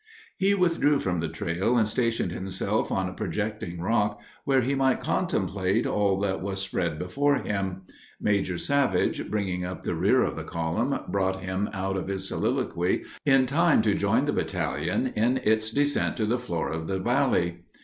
He withdrew from the trail and stationed himself on a projecting rock, where he might contemplate all that was spread before him. Major Savage, bringing up the rear of the column, brought him out of his soliloquy in time to join the battalion in its descent to the floor of the valley.